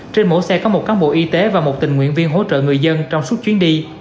trên mỗi xe có một cán bộ y tế và một tình nguyện viên hỗ trợ người dân trong suốt chuyến đi